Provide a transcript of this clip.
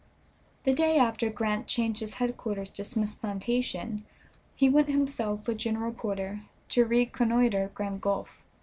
The day after Grant changed his headquarters to Smith's plantation he went himself with General Porter to reconnoiter Grand Gulf.